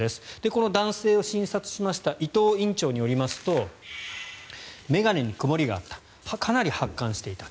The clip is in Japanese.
この男性を診察した伊藤院長によりますと眼鏡に曇りがあったかなり発汗していた。